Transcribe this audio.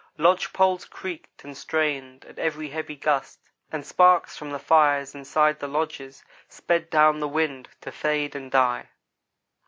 Lodge poles creaked and strained at every heavy gust, and sparks from the fires inside the lodges sped down the wind, to fade and die.